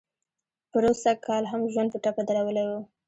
پروسږ کال هم ژوند په ټپه درولی و.